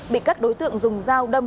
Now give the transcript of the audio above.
bị các đối tượng dùng dao đâm